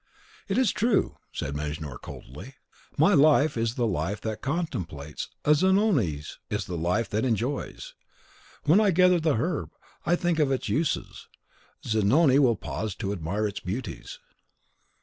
"It is true," said Mejnour, coldly. "My life is the life that contemplates, Zanoni's is the life that enjoys: when I gather the herb, I think but of its uses; Zanoni will pause to admire its beauties."